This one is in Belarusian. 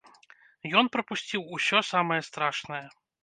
Ён прапусціў ўсё самае страшнае.